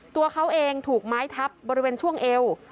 ตัวเขาเองถูกไม้ทับบริเวณช่วงเอว